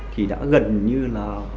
thì đã gần như là